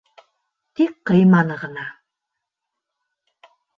Тик ҡыйманы ғына.